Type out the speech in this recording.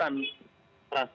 yang dibatasi adalah angkut